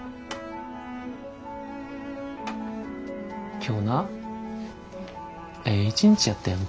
今日なええ一日やったやんか。